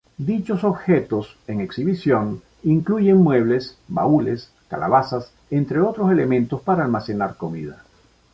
Dichos objetos en exhibición incluyen muebles, baúles, calabazas, entre otros elementos para almacenar comida.